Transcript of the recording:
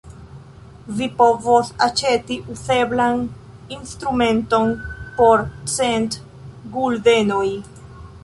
Vi povos aĉeti uzeblan instrumenton por cent guldenoj.